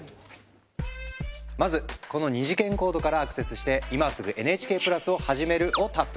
まずこの二次元コードからアクセスして「今すぐＮＨＫプラスをはじめる」をタップ。